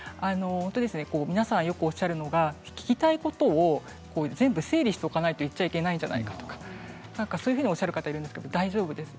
皆さん、よくおっしゃるのが聞きたいことを全部整理しておかないと行っちゃいけないんじゃないかとか、そういうふうにおっしゃる方がいるんですが大丈夫です。